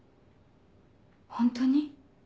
ホントに？